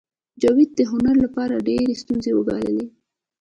جاوید د هنر لپاره ډېرې ستونزې وګاللې